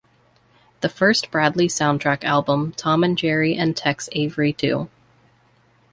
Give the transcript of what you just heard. The first Bradley soundtrack album, Tom and Jerry and Tex Avery Too!